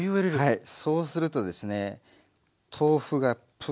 はい。